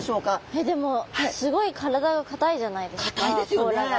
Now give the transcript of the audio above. えっでもすごい体が硬いじゃないですか甲羅が。